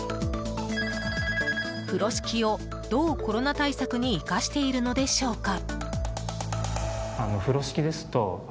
風呂敷を、どうコロナ対策に生かしているのでしょうか？